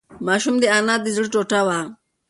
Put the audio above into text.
ماشوم د انا د زړه ټوټه وه.